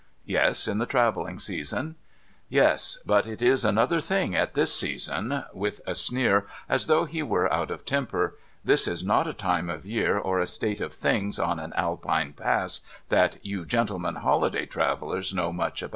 Yes ; in the travelling season.' ' Yes ; but it is another thing at this season ;' with a sneer, as though he were out of temper. ' This is not a time of year, or a state of things, on an Alpine Pass, that you gentlemen holiday travellers know much about.'